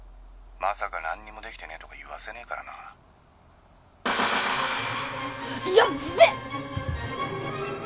☎まさか何にもできてねえとか言わせねえからなやっべ！